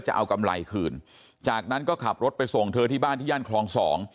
จะเอากำไรคืนจากนั้นก็ขับรถไปส่งเธอที่บ้านที่ย่านคลองสอง